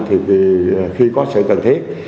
thì khi có sự cần thiết